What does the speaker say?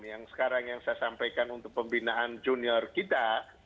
yang sekarang yang saya sampaikan untuk pembinaan junior kita